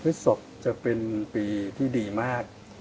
พฤศพจะเป็นปีที่ดีมาก